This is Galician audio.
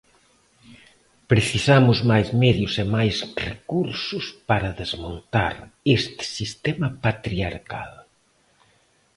Precisamos máis medios e máis recursos para desmontar este sistema patriarcal.